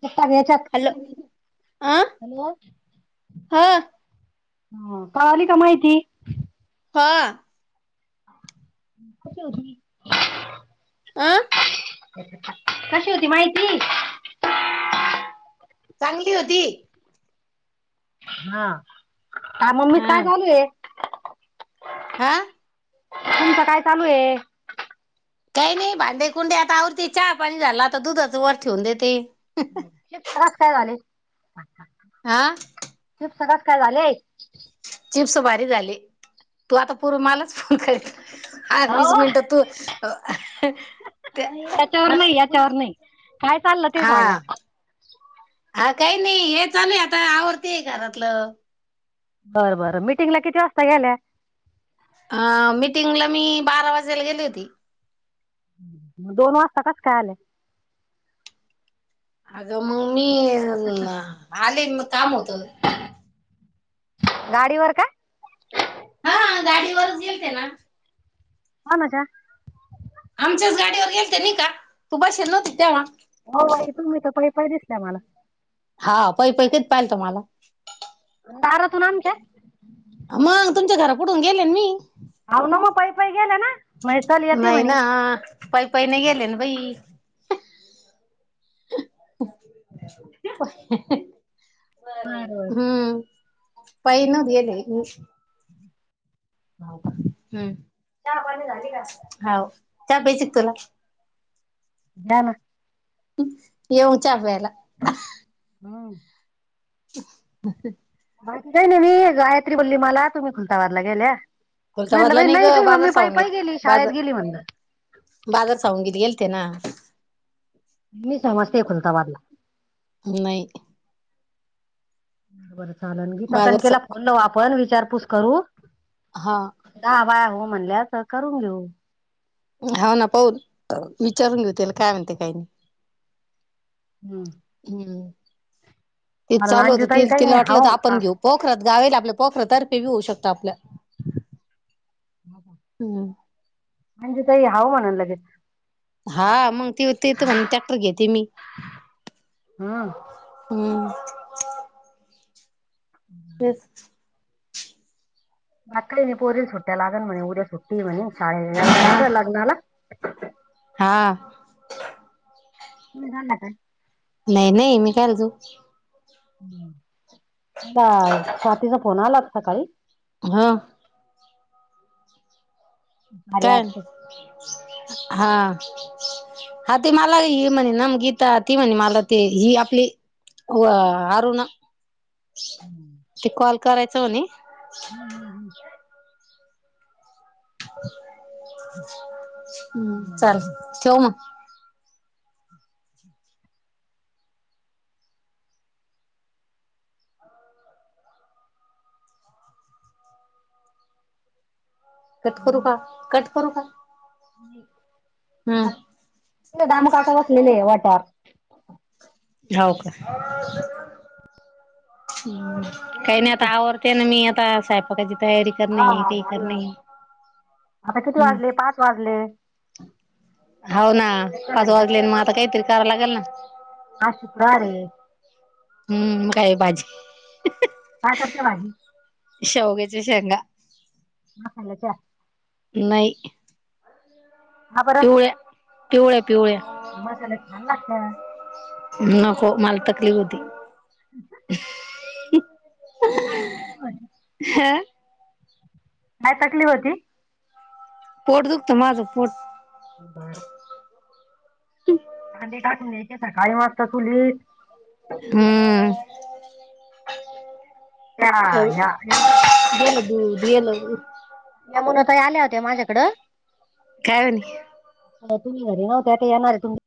त्या सगळयाच्यात. हॅलो. अं, हा. ह, कळाली का माहिती? हां. कशी होती? आं. कशी होती माहिती? चांगली होती. हा. का मम्मीच हा काय चालुय? आं? तुमचं काय चालूय? काही नाही. भांडे- कुंडे आता आवरती. चहा पाणी झाला आता, दुधाच वर ठेऊन देते. ही त्रास काय झाले? आं. चिप्सं कसं काय झालेय? चिप्स भारी झाले. तू आता पूर् मलाच फोन करील. आ वीस अहो मिनटं तू, याच्यावर नाही याच्यावर [unintelligible] नाही काय चाललं ते सांगा. आ काही नाही. हे चालूय आता, आवरतेय घरातलं. बरं, बरं. मिटिंगला किती वाजता गेल्या? अ मीटिंगला मी, बारा वाजेला गेली होती. दोन वाजता कास काय आले? अगं, मग मी, आले मग काम होत. गाडीवर का? हा, गाडीवरच गेलते ना. कोणाच्या? आमच्याच गाडीवर गेलते नि का. तू बसेल नव्हती तेव्हा. होय, तुम्ही तर पाई- पाई दिसल्या मला. हा पै- पै कधी, पाहिलं तु माला? दारातून आमच्या. मग, तुमच्या घरा पूडून गेले न मी. हाव ना मग पई, पई गेल्या ना. म्हणजे चल येते नाही म्हणे ना पई, पई नाही गेल्या ना बाई. बरोबर [unintelligible] हम्म, पई न गेले हो का? [unintelligible] हम्म, चहा पाणी झालीत काय? हाव चा पैजे का तुला? घ्या ना. येऊ च्या प्यायला. हा. [inaudible] [unintelligible] बाकी काही नाही मी गायत्री बोलली मला तुम्ही खुलताबादला गेल्या. मी म्हटलं खुलताबादला बाई नाही तु ग ही बाजार मम्मी पाई, पाई सावंगीत गेली बाजार शाळेत गेली म्हणल. बाजार साऊन गेलते ना. मी समजते खुलताबादला. नाई. बर चालल गीताकान बाजारच केला फोन ना वापर विचारपूस करू. हा. दहा बाया हो म्हणल्यात तर करून घेऊ. हाव ना पाऊन विचारून घेऊ त्याले काय म्हणते काही नाही. हम्म. हम्म, तेच कारण चालु होत अंजूताई काही नाही तिला वाटलं होत हाव आपण घेऊ. पोखरात गाव येल हे आपल्या पोखरा तर्फे बी होऊ शकता आपल. [inaudible] हम्म. म्हणजे ताई हाव म्हणान लगेच. हा मग ते हुती ते तर म्हणे टॅक्टर घेते मी. हम्म हम्म. तेच [unintelligible] आज कली पोरीला सुट्ट्या लागल म्हणे उद्या सुट्टीये म्हणे शाळे हा. लग्नाला? हा. तुम्ही जाणार काय? नाही, नाही मी काय ले जाऊ? का स्वातीचा फोन आला होता सकाळी हां. कार्या काय? हा. हा ते मला हि म्हणेना गीता ती म्हणे मला ते ही आपली व अरुणा ती कॉल करायच म्हणे. हम्म, हम्म, हम्म. हम्म चालल ठेव मग. कट करू का? कट करू का? हम्म दामू काका बसलेले आहे वोट्यावर. हाव का, एक काही नाही मिनिट आता आवर ते ना मी आता स्वयंपाक पडायची तयारी. करणे हा, काही झालं करणे आता किती हम्म वाजले पाच वाजले. हाव ना एका पाच घंटा वाजले मग स्वयंपाक आता काहीतरी होतो करां लागेल ना. आज शुक्रवार ये. हम्म, मग काय ये भाजी. काय करते भाजी? शौग्याच्या शेंगा. हलंच्या [unintelligible] नाही. का पिवळ्या पिवळ्या पिवळ्या. मसेला छान लागत्या. नको मला तकलीफ होती. हा [unintelligible] हा, काय तकलीफ होती. पोट दुखत माझं पोट. ह ह [inaudible] हा, ते टाकून द्यायची वाजता चुलीत. हम्म, त्या ह्या गलं ब गलं [inaudible] यामुण ताई आल्या होत्या माझ्याकडं. काय म्हणली. तुम् घरी नव्हते आता येणार तुम्ही.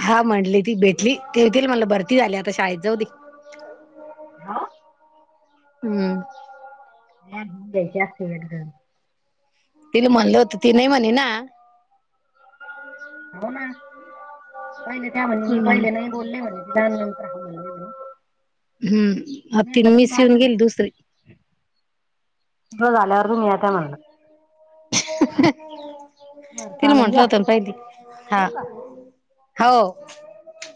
हा, म्हटली ती भेटली तेतील मला भरती झाली आता शाळेत जाऊ दे. [inaudible] हा, हम्म, ह घच्या [unintelligible] तिला म्हणलं होत ती नाही म्हणे ना. हो ना पहिले त्या म्हली मी हम्म पहिले नाही बोलले म्हणे त जाण नंत रा हा म्हणले. हम्म आ, तन म्हणलं तुमचं मीसिवन असंच आहे गेल दुसरे. तुझं झालं नंतर दुनियात हाय म्हणलं. बरं तिला चालल म्हटलं या होत ना पहिली हा, ठेवू का? हो,